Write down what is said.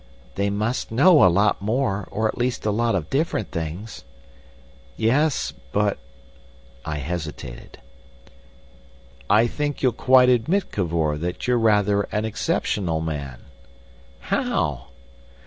"They must know a lot more—or at least a lot of different things." "Yes, but—" I hesitated. "I think you'll quite admit, Cavor, that you're rather an exceptional man." "How?"